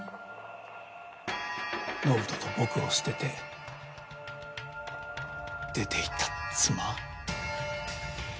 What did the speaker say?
延人と僕を捨てて出ていった妻？